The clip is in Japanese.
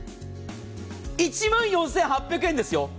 １万４８００円ですよ。